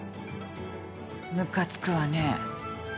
ムカつくわね。